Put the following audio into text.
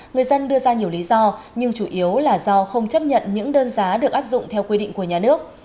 người dân đưa ra nhiều lý do nhưng chủ yếu là do không chấp nhận những đơn giá được áp dụng theo quy định của nhà nước